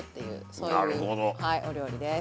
そういうはいお料理です。